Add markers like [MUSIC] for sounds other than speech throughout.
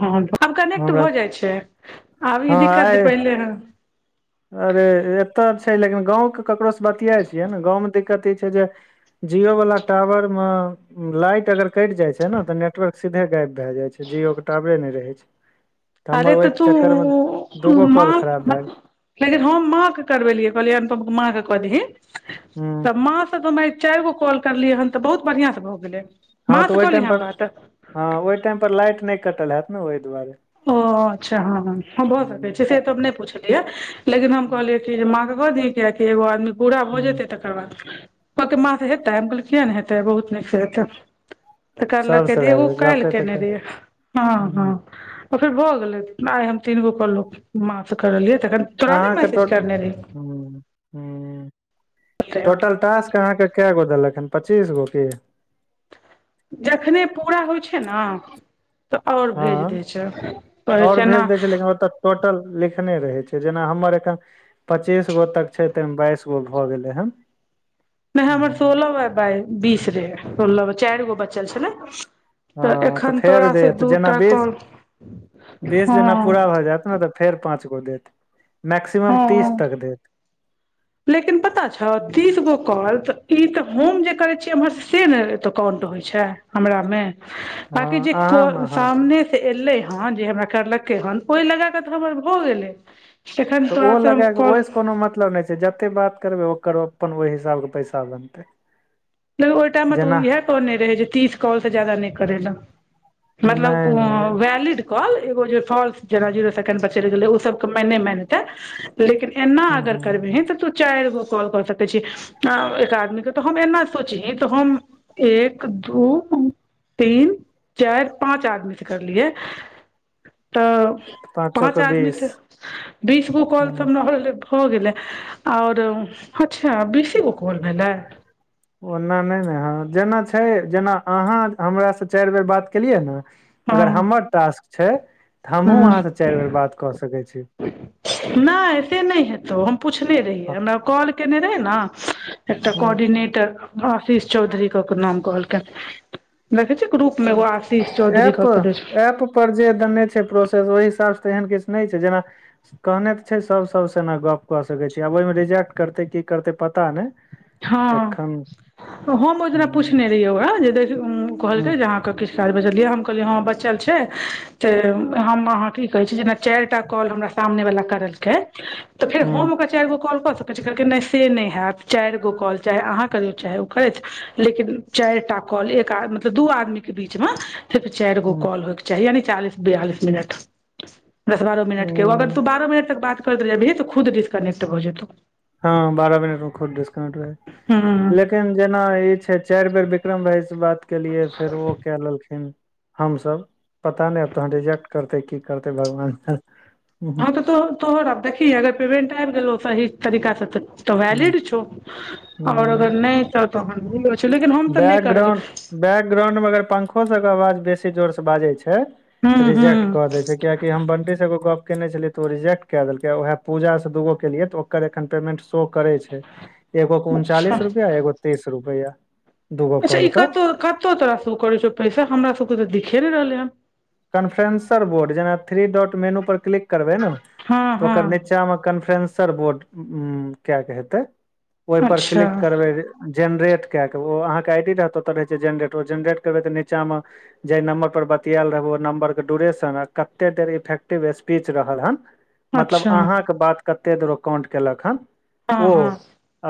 हँ हँ आब कनेक्ट हमरा भऽ जाइ छै आब हँ ई दिक्कत आइ जे पहिले हए अरे एतऽ छै लेकिन गाँवके ककरोसँ बतियाय छियै ने गाँवमे दिक्कत ई छै जे जिओवला टावर मेऽ लाइट अगर कटि जाइ छै न तऽ नेटवर्क सीधे गैब भए जाइ छै जियओ के टावरे नै रहै छै अरे हमर तऽ ओहि चक्कर मे तूउऽउ दूगो कॉल मां खराब भए गेल लेकिन हम माँ के करबेलियै कहलियै अनुपम के माँ के क दहीऽऽ हँ [UNINTELLIGIBLE] तऽ माँ स तऽ हम आय चारि गो कॉल करलियै हन तऽ बहुत बढ़िआं स भऽ गेलै हँ माँ तऽ से ओहि कहली टाइम हम पर बात हँ ओहि टाइम पर लाइट नै कटल हैत न ओई दुआरे ओ अच्छा हं हं भऽ सकै छै से तब नै पुछलियै लेकिन हम कहलियै ठीक माँके क ददी किएकि एगो आदमी कुरा भऽ हूँ जेतै तऽ कके मां के हेतय हम कलिये किऐ ने हेतै बहुत नीक स हेतै तऽ करलकै सबसँ भए एगो जायत काल्हि गपे तऽ केने कर रहियै हँ हँ हूँ त फेर भऽ गेलै आइ हम तीनगो काॅल मां सँ करेलियै तखन तोरा ने मैसेज करने रहियो ऽ रहियै हुंऽऽटोटल टास्क अहाँके के कैगो देलक हन पच्चीस गोऽ कीऽ जखने पूरा होइ छय न तऽ आओर हँ भेज दय छै कहै छ एनाऽ टोटलऽ लिखने रहै छै जेना हम्मर एखन पचीस गो तक छै तइमें बाइस गो भऽ गेलै हनऽ नइ हम्मर सोलह बाय बाइऽबीस रहै सोलह बा चारि गो बच्चल छ लै हँ तऽ फेर देतऽ जना बेसऽ बेस हँ जेना पूरा भऽ जायत न तऽ फेर पाँच गो देतऽ मैक्सिमम तीस हँ तक देतऽ लेकिन पता छौऽ तीसऽगो काॅल तऽ ई त होमऽ जे करै छीयै इम्हर से न एत काउंट होई छै हमराऽ मेऽ बांकि हँ जे कोर अहाँमे हँ सामनेऽ एलैऽहँ जे हमरा करलकै हन ओइ लगा कऽ तऽ हमरा भऽ गेलैऽ तऽ ओ लगाए कऽ ओहिसँ कोनो मतलब नै छै जतेक बात करबै ओकर ओपन ओहि हिसाबसे पैसाऽ बनतय द ओय टाइम मे तऽ ओ इएह कहने रहै जे तीस कॉल से जादा नै करय लय मतलब नहि कुओं नहि वैलिड कॉल एगो जे फॉल्स जेना जीरो सेकेंड पर चलि गेलै ओ सबके मायने नइ माइन हेतै। लेकिन एनाऽ ह अगर ह करबे हें त तू चारि गो कॉल क सकै छी एकऽ आदमी के त हम एना सोचहि तऽ हम एक दू तीन चाइर पाँच आदमी के करलियै तऽ पाँचो पाँच के बीस आदमीके बीसगो कॉल कब न होले हो गेलै और अच्छा बीसे गो काॅल भेलै। ओन्ना नहि नहि हँ जेना छैय जेना अहाँ हमरास चारि बेर बात केलियै न हँ अगर हमर टास्क छैय तऽ हमहूँ हँ अहाँसँ चाइर बेर बात कऽ सकैत छी। नहिऽसे नहि हेतउ हम पुछने रहियै हमरा ओ कॉल कयने रहय ने एकटा कोर्डिनेटर आशीष चौधरी ककऽ नाम कहलकय देखै छी ग्रुप्ऽ एयमे एगो आशीष चौधरी एप क क दय छ एप पर जे दनै छैय प्रोसेस ओहि हिसाबसँ एहन किछ नहि छैय जेनाऽ कहने तऽ छै सभ सभसँ एना गप्प कऽ सकै छी आब ओहिमे रिजेक्ट करतै की करतै पता नै। हँऽ ह हम ओय दिना हूँ पुछने रहियै ओकरा जे हूँ कहलकै जे अहाँके किछु चाइर बजलियै हम कहलियै हं बचल छैय छे हम अहांकेइ कहैछी जेना चारि टा कॉल हमरा सामने वला करलकै त फेर हूँ हम ओकरा चारि गो कॉल कऽ सकैत छीयै त कहलकै नहि से नहि हैतऽ। चाइरगो कॉल चाहे अहाँ करियौ चाहे ओ करैथ। लेकिन चारि टा कॉल एक आद मतलब दू आदमी के बीचमें सिफ चाइर गो हूँ कॉल होय के चाही यानि चालीस बियालिस मिनट दस बारह मिनट के ओ अगर तु हूँ बारह मिनट तक बात करैत रैह जेभी त खुद डीसकने्क्ट भऽ जेतौ। हँ बारह मिनट मे खुद् डिस्कनेक्ट भय ऽऽ हूँ लेकिन जेना ई छैय चारि बेर बिक्रम भाइ से बात केलियए फेर ओ कै लेलखिन। हमसभ पता नहि आब तहन रिजेक्ट करतै की करतै भगवान जाने। हँ तऽ तो तोहर आब देखही अगर पेवेंट आबि गेलौ सही तरीकाँ सऽ तऽ त वैलिड छौ और हूँ अगर नहि एतौ तहन छौ लेकिन हम तऽ नहि करलियै बैकग्राउंड बैकग्राउंड मे अगर पंखो सभके आवाज बेसी जोरसँ बाजै छैय तऽ हूँ रिजेक्ट हूँ कऽ दैय छैय कियकि हम बंटी से एगो गप केने छलिये तऽ ओ रिजेक्ट केय देलकै उहे पूजा से दूगो केलियै तऽ ओ एकर एखन पेमेंट शो करे छैय एगो कऽ अच्छा उनचालीस रुपआ एगोके तीस रुपआ। दूगो अच्छा कॉल ई के कतहु कतऽ तोरा सो करे छौ पैसा हमरा सब के तऽ दिखे ने रहले हन। कन्फ्रेंसर बोर्ड जेना थ्री डोट मेनु पर क्लिक करबै नऽ हँ तऽ ओकर नीच हँ नीचा मे कन्फ्रेंसर बोर्ड उ केक हेते ओहि पर अच्छा क्लिक करबै जेनरेट कए कऽ ओ अहाँके आईडी रहत ओत रहै छैय जेनरेट ओ जेनरेट करबै तऽ नीचामे जेहि नम्बर पर बतियाल रहबो नम्बर के ड्यूरेशन आ कते देर इफेक्टिव स्पीच रहल हन मतलब अच्छा अहाँके बात कते दूरो काउंट केलक हन हँ ओ हँ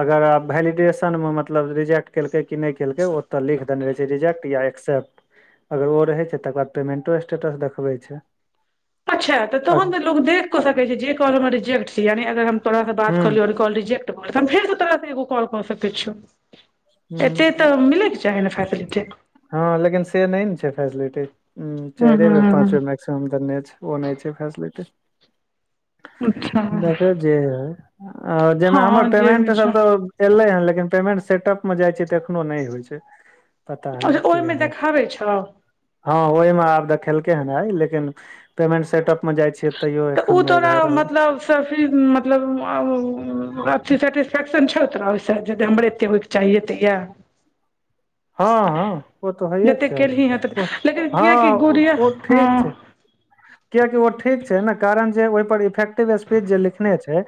अगर आब भैलिडेशन मे मतलब रिजेक्ट केलकै कि नहि केलकै ओतऽ लिख दने रहै छैय रिजेक्ट या एक्सेप्ट। अगर ओ रहै छैय तकर बाद पेमेन्टो स्टेटस देखबै छैय। अच्छा तऽ तहन त लोग देख कऽ सकैत छैय जे काॅल हमर रिजेक्टस या ने यानि अगर हम तोराँ हुँ बात क कॉल रिजेक्ट कर फेर सऽ तोरा सऽ एगो कॉल कऽ सकै छीयौ। एते हुँ तऽ मिलैक चाही नऽ फैसिलिटी। हँ लेकिन से नहि ने छैय फेसिलिटी हूँ चारिए बेर पाँच हूँ मै सब दने छैय ओ नहि छैय फैसिलिटी अच्छा देख जे हई। आ जेना हमर हँ जे पेमेंट भी छौ सब तऽ एले हन लेकिन पेमेंट सेटप मे जाइ छै त एखनो नहि होइ छै पता नहि अच्छा ओय किया मे नहि देखाबै छौ हँ ओय मे आब देखेलकै हन लेकिन पेमेंट सेटप ओय मे जाइ छियै तैयो तऽ ओ एखन नहि तोरा भै रहल मतलब फिर मतलब आ अथी सेटिस्फेक्शन छौ तोरा ओय से जदी हमर अते होय के चाही येते ये हँ हँ ओ त होये के जतेक केलही हेँ तऽ चाही लेकिन किएकि हँ गुड़िया ओ हँ ठीक छैय कियाकि ओ ठीक छै न कारण जे ओय पर इफेक्टिव स्पीच जे लिखने छै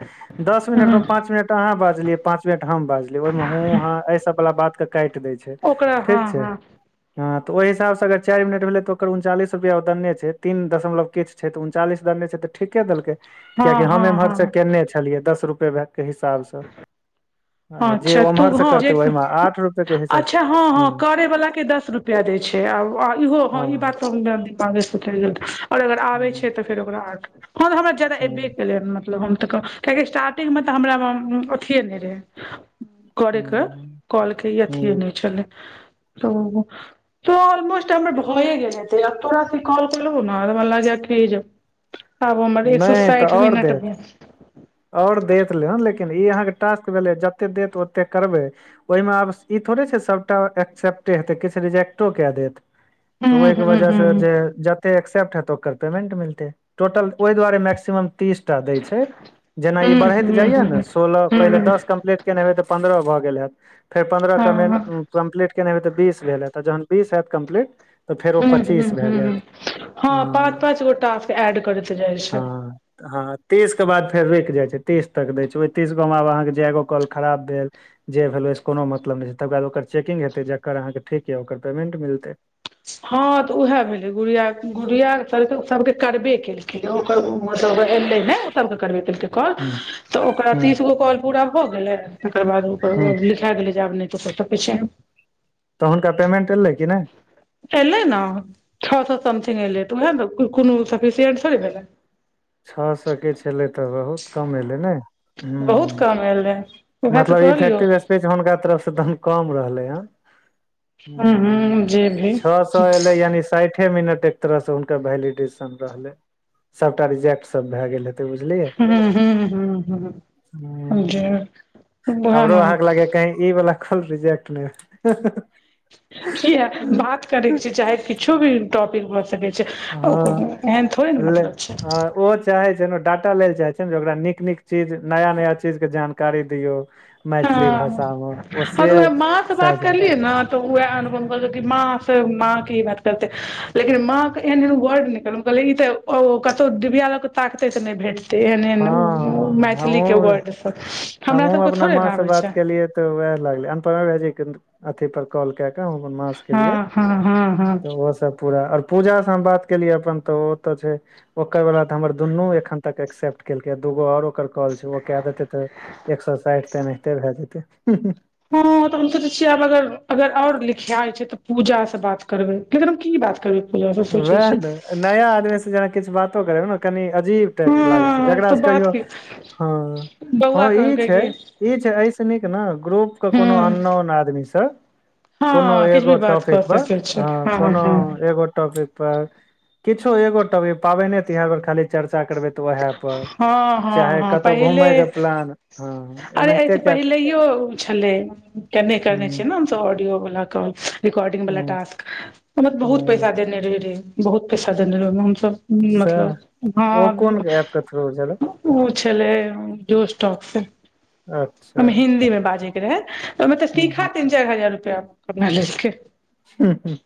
दस मिनट हँ में पांच मिनट अहाँ बाजलियै पांच मिनट हम बाजलियै ओय मे हूँ हा ऐ सब बला बात के काटि दैय छै ओकरा हँ ठीक छै हँ हँ त ओहि हिसाब से अगर चारि मिनट भेलै त ओकर उनचालीस रुपआ ओ देने छैय तीन दशमलव किछ छैय त उनचालीस देने छैय त ठीके देलके हँ किआकि हम हँ एम्हर हँ से केने छै छलियै दस रुपए भ के हिसाब स आ हँ जे अच्छा उम्हर तू से हँ करते ओय जे मे आठ रुपए के हिसाब अच्छा हँ हँ करे वला के दश रुपआ देय छै इहो हँ ई बात त [UNINTELLIGIBLE] [UNINTELLIGIBLE] आओर अगर आबे छै हूँ त फेर ओकरा आ ह त फोन हमरा जादा एबे हूँ केले ह हम त कहब कियकि स्टार्टिंग मे त हमरा अथिए नहि रहै करे क हूँ काॅल के अथिए हूँ नहि छलै त त अलमोस्ट हमर भए गेल हेतै आब तोरा से कॉल केलो न हमरा लागय ये की जे आब हमर एक सौ नहि तऽ साइठ आओर मिनट दे भेल आओर देत लेन लेकिन ई अहाँके टास्क भेलै जते देत ओते करबै ओय मे आब ई थोड़े छै सभटा एक्सेप्टे हेतै किछु रिजेक्टो कए देत त हूँ ओय के हूँ हूँ वजहसँ हूँ जे जते एक्सेप्ट हेतै ओकर पेमेंट मिलतै टोटल ओय दुआरे मैक्सिमम तीसटा दैय छै जेना ई हूँ बड़हैत हूँ जायेना सोलह हूँ पहिले हूँ दस कम्प्लीट केन हेबै त पन्द्रह भ गेल हेत फेर पन्द्रह हँ पेमेंट कम्प्लीट केने हेबै तऽ बीस भेल हैत आ जहन बीस हैत कम्प्लीट तऽ फेर ओ हूँ हूँ पच्चीस भए हूँ हूँ जायत ह पाँच हँ पाँच गो टास्क एड करैत जाइ छै हँ हँ तीस के बाद फेर रुकि जाइ छै तीस तक दैत छै ओय तीस गो मे आब अहाँ के जेगो कॉल खराब भेल जे भेल ओय स कोनो मतलब नहि छै तकर बाद ओकर चेकिंग हेतै जकर अहाँ के ठीक ये ओकर पेमेंट मिलतै हँ त उएह भेलै गुड़िया गुड़िया के चलते ऊ सभके करबे केलकै यो ओकर उ मतलब एले नए सब करबेेल कॉल हूँ त ओकरा हूँ तीस गो कॉल पूरा हो गेलै तकर हूँ बाद लिखा गेलै जे आब नए तू क सकय छै त हुनका पेमेंट एलै कि नय एलै ने छ सौ समथिंग एलै त उहे कोनो सेफीशिएंट थोड़े भेलय छ सौ के छलै त बहुत कम एलै ने हूं ओहे त कहलियौ हुनका तरफ स तहन कम रहलै हन हूँ हुं हुं हूँ जे भी छ सौ एलै यानि साठि साठि मिनट एक तरह से हुनका वैलिडेसन रहलै सबटा रिजेक्ट सब भे गेल हेते हूँ हूँ हूँ हूँ हूँ हूँ हमरो ने अहाँ के लागय ये कही ई वाला कॉल रिजेक्ट [UNINTELLIGIBLE] किया भेल। बात करैके छैय चाहे किछो भी टॉपिक भऽ सकै छैय। ओकर हँ एहन थोड़े ने मतलब छैय। चाहै छैय ने डाटा लै ल चाहै छैय ने जे ओकरा नीक नीक चीज नया नया चीज के जानकारी दियौ। मैथिली हँ भाषा मे ओ हँ से तऽ उएह माँसँ बात शायद करलियै ने उएह अनु माँ से माँ के ई बात करते लेकिन माँ के एहन एहन वर्ड निक ई तऽ कतहु डिबिया लग के ताकते तऽ नहि भेटतै। एहन एहन हँ मैथिली के हमहुँ वर्ड सब हमरा सब हमहुँ माँ से बात केलिे ते वएह लागले अनप भैजी के अथी पर कॉल कय क। माँ स केलियै हँ हँ हँ हँ हँ त ओहो सब पूरा पूजा से हम बात केलियै अपन तऽ ओ तऽ छैय ओकर बला तऽ हमर दुनू एखन तक एक्सेप्ट केलकैूगो आओर ओकर कॉल छै ओ क देतै त एक सए साठि तऽ एनाहिते भए जेतै। हँ तऽ हम सोचै छियै आब अगर अगर आओर लिखिया छै तऽ पूजा से बात करबै लेकिन हम की बात करबै। पूजासँ सोचै वएह छियै ने नया आदमी से जेना किछु बातो करे ने कनि अजीब टा के लागै छैय हँ तऽ जकास से बात कहियो की हँ। बौआ हँ ई कहलकै छैय कि ई छैय ऐस नीक ने ग्रुप के कोनो हूँ अननोन आदमी स कोनो हँ किछु भी एगो बात टॉपिक कऽ पर सकै छै ह हँ कोनो हँ एगो टॉपिक पर किछो एगो टॉपिक पाबनि तिहार खाली चर्चा करबै तऽ उएह पर हँ हँ चाहे हँ कतहु पहिले घुमयके प्लान हँ अरे एनाहिते एहिसँ क पहिलैयो छलै केने करने ह छियै ने हमस ऑडियो वला कॉल रिकॉर्डिंग वाला ह टास्क। हम बहुत ह पैसा देने रहे रहे बहुत पैसा देने रहै ओहि हमस सएह मतलब ओ कोन हँ ऐप के थ्रू छलै ऊ छलै जोसटॉक से। अच्छा ओहिमे हिंन्दी मे बाजैके रहै ओहिमे तऽ ह सीखा ह तीन चारि हजार रुपआ अपना लेलकै। ह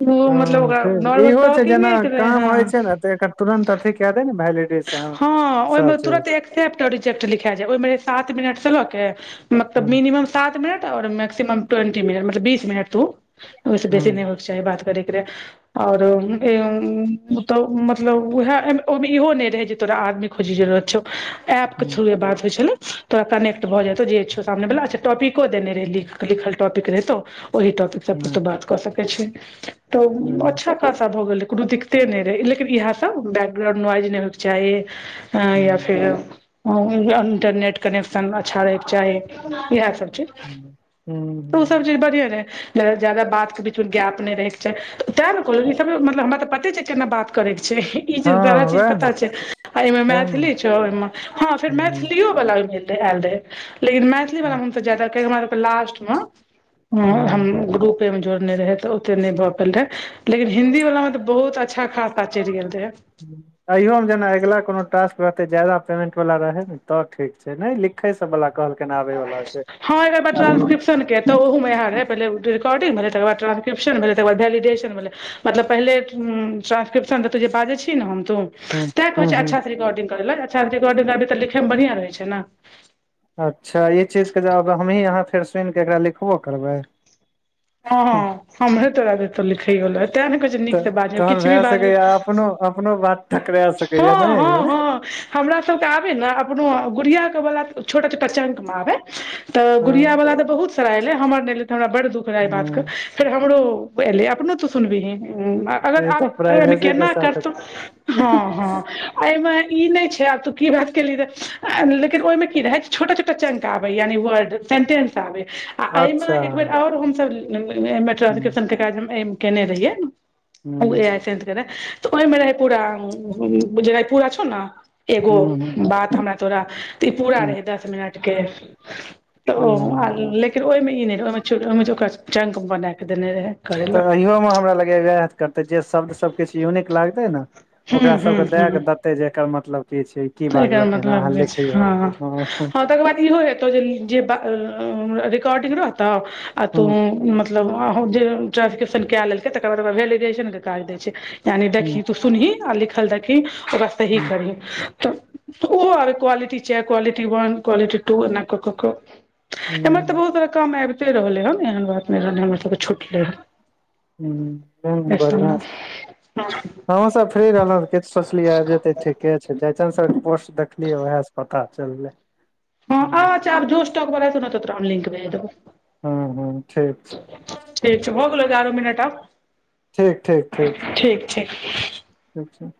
ओ मतलब हँ ओकरा ठीक नॉर्मल इहो छैय जेना टॉकिंगे के रहै काम होइ हँ छैय ने तऽ एकर तुरन्त अथी क देै ने भैइ हँ ओहिमे तुरन्त एक्सेप्ट आ रिजेप्ट लिखा जाय ओहिमे सात मिनटसँ लऽ के मतलब ह मिनीमम सात मिनट औ मै्कसिमम ट्वेंटी मिनट मतलब बीस मिनट तू ओहिस ह बेसी नहि चाही बात करैके रहै। और त मतलब उह इहो ने तोरा आदमी खोजके जरुरत छौ एप के ह थ्रू बात होइ छलै। तोरा कनेक्ट भऽ जेतौ जेचो सामने वला अच्छ टपिक देने रहैख लिख टॉपिक रहतौ ओह टॉपिक पर सब ह तऽ बात कऽ सकै छी तऽ ह अच्छा खासा भऽ गेलै कोनो दिक्ते नहि रहै लेकिन इएह सब बैकग्राउंड नॉाइज नहि होयके चाही। ह या फेर ह इंटरनेट कनेक्शन अच्छा रहयके चाही इएह सब चीज। ओ सब ह चीज बढ़िआ रहय। जादा बात के बीचमे गैप नहि रहय के छैय तें ने कहल ई सब मतलब हमरा तऽ पते छैय केना बात करे के छैय। हँ वैह न। एहिमे मैथिली छौ ओहि हँ फेर मैथिलियो वाल आयल रहय। लेकिन मैथिली वला ह हम जादा कह हमरा लास्ट मे हम ह ग्रुप जोड़ने रहै तऽ ओते नहि भऽ पयल रहे लेकिन हिन्ददी वाला मे तऽ बहुत अच्छा खास बा चढ़ि गेल रहै। अयोमे जेना अगिला कोनो टास्क रहतै जादाा पेमेंट वाला रहै ने तऽ ठीक छैय नहि देखै सब बला कहलकिन आबै बला छैय हँ एकर बाद अभी। ट्रांसक्रिप्शन के तऽ ओहमे पहि रिकॉर्डिंग भेलै तकर बाद ट्र्स्क्रिपशन भेलै तकर बाद बेलीडेशन भेलै। मतलब पहिले छलै ट्रांसक्रिप्शन जे बाजै छी ने हम तू तैँ कहै हूँ छैय हूँ अच्छासँ रिकॉर्डिंग कर लक अच्छास रिकॉर्डिंग करबै तऽ लिैमेढ़आँ रहै छैय ने। अच्छा ई चीजके जाब हमहीँ अहाँ फेर सुनिकऽ एकरा लिखबो करबै। हँ हँ हमहे तोरा देतौ लिखैयो लए तैँ ने कहै छ नीकसँ बाजियौ किछु भी बाजौ। कोनो बात टकराय सकैया ने। हँ हँ हमरा सभके आबे ने अपनो गुड़िया वला छोटा छोटा पचङ्क मे आबै। तऽ गुड़िया हँ वाला तऽ बहुत सारा एलै हमर नहि एलै तऽ हमरा बड़् दुख रहै एहि बातके। हूँ फेर हमरो एले अपनो तो सुनबहीही अगर ई तऽ आब प्राइवेसी के केना साथ करतौ। हँ हँ एहिमे ई नहि छैय आब तू की बात केलि रहे लेकिन ओहिमे की रहय। छोटा छोटा चंक आबे यानि वर्ड सेंटेंस आबे आ मे अच्छा एकबेर आओर हमसब मे हूँ ट्राक्रिप्शन के काज केने रहियै हूँ [UNINTELLIGIBLE] तऽ ओहिमे रहयपुरा जे रायपुरा छौ ने एगो हूँ हूँ बात हमरा तोरा ई पूरा हूँ रहै दस मिनट के तऽ ओ हूँ लेकिन ओहिमे ई नहि रह ओहि ओहिमे ओकरा चंक बनााक देने रहै। करै तऽ लए अहिमे हमरा लगै वएह करतै जे शब्दसभ किछु यूनिक लागतै ने हूँ ओकरा सब हूँ के दय के देतै जे एकर मतलब की छैय। त एकर मतलब हो छैय हँ हँ तकर बाद इहो हेत ज बा रर्डिंग रह आ तू मत ब ट्रंक्रिप्शन कए लेलकै तकर बाद वेलिडेशन के काज दै छैय यानि हँ देखही सुनीह आ लिखल देखखी ओकरा सही करही। त ओ आर क्वालिटी छै क्वालिटी वन क्वालिटी टू ए क क क एम्हर तऽ हँ बहुत तारहक काम आबिते रहलै हन एहन बात नहि रहलै हमर सभ तऽ छुटलै हन। ह एहि बढ़िआँ सबमे छै हमूँ सब फ्री रहलहुँ किछु सोचलियै आबि जेतै। ठीके छैय जाइ छन्द सर पोस्ट देखलियै उएहस पता चललै। हँ आ जोस टक बला ने तो त लिंक भेज देबौ। हू हू ठीक छैय। ठीक छैय भ गेल एगारह मिनट आब। ठीक ठीक ठीक। ठीक छैय। अच्छा